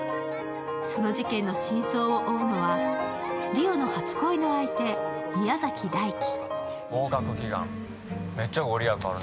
その事件の真相を追うのは梨央の初恋の相手、宮崎大輝。